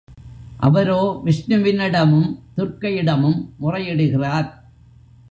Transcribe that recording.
அவரோ விஷ்ணுவினிடமும், துர்க்கையிடமும் முறையிடுகிறார்.